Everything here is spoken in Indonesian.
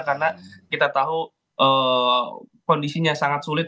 karena kita tahu kondisinya sangat sulit